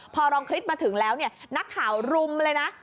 พอรองคริสต์มาถึงแล้วนักข่าวรุมเลยนะ